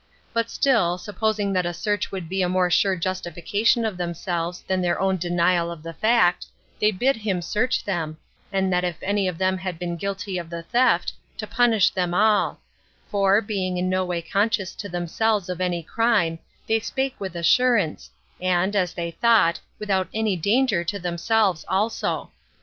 But still, supposing that a search would be a more sure justification of themselves than their own denial of the fact, they bid him search them, and that if any of them had been guilty of the theft, to punish them all; for being no way conscious to themselves of any crime, they spake with assurance, and, as they thought, without any danger to themselves also.